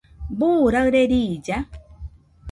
¿Buu raɨre riilla?